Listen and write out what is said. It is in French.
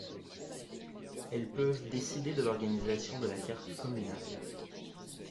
Elles peuvent décider de l'organisation de la carte communale.